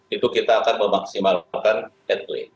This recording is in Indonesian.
itu kita akan memaksimalkan headway